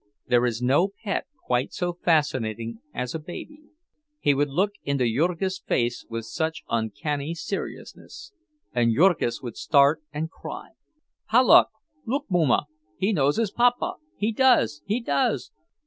There is no pet quite so fascinating as a baby; he would look into Jurgis' face with such uncanny seriousness, and Jurgis would start and cry: "Palauk! Look, Muma, he knows his papa! He does, he does!